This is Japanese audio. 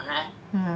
「うん」。